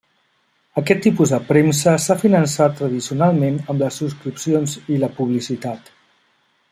Aquest tipus de premsa s'ha finançat tradicionalment amb les subscripcions i la publicitat.